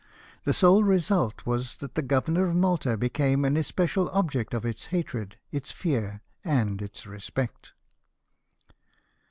The sole result was that the governor of Malta became an especial object of its hatred, its fear; and its respect."